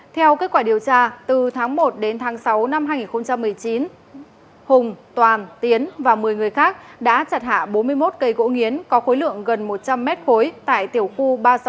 theo kết quả điều tra từ tháng một đến tháng sáu năm hai nghìn một mươi chín hùng toàn tiến và một mươi người khác đã chặt hạ bốn mươi một cây gỗ nghiến có khối lượng gần một trăm linh m khối tại tiểu khu ba trăm sáu mươi bảy